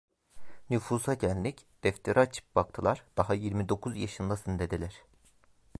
Nüfusa geldik, defteri açıp baktılar, daha yirmi dokuz yaşındasın dediler.